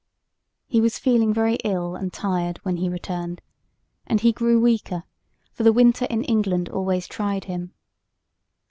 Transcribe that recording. He was feeling very ill and tired when he returned, and he grew weaker, for the winter in England always tried him.